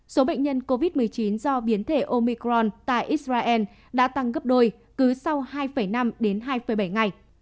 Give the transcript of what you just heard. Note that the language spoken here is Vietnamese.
số bệnh nhân covid một mươi chín do biến thể omicron tại israel đã tăng gấp đôi cứ sau hai năm đến hai bảy ngày